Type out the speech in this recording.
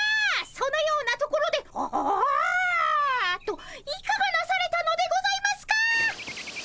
そのようなところで「ああ」といかがなされたのでございますか？